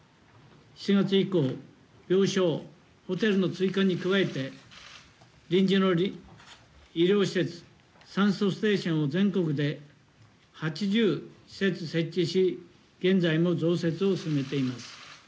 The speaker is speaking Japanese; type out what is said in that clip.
７月以降、病床、ホテルの追加に加えて、臨時の医療施設、酸素ステーションを全国で８０施設設置し、現在も増設を進めています。